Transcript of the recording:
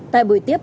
tại buổi tiếp